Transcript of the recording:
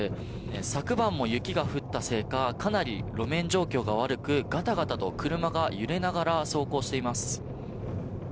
昨晩も雪が降ったせいかかなり路面状況が悪くガタガタと車が揺れながら走行しています。